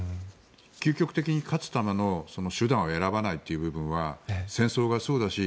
究極的に勝つための手段を選ばないという部分は戦争がそうだし